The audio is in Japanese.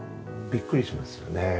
びっくりしますよね。